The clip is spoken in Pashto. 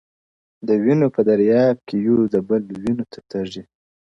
د وینو په دریاب کي یو د بل وینو ته تږي-